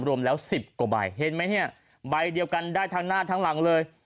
รวมแล้ว๑๐กว่าใบเห็นไหมเนี่ยใบเดียวกันได้ทั้งหน้าทั้งหลังเลย